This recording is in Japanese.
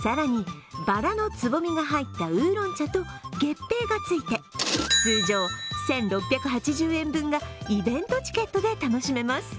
更に、ばらのつぼみが入ったウーロン茶と月餅がついて通常１６８０円分がイベントチケットで楽しめます。